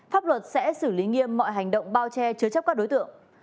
pháp luật sẽ xử lý nghiêm mọi hành động bao che chứa chấp các đối tượng